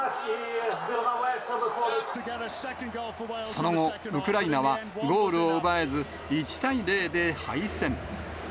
その後、ウクライナはゴールを奪えず、１対０で敗戦。